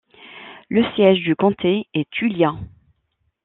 Le siège du comté est Tulia.